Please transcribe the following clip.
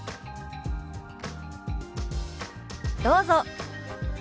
どうぞ。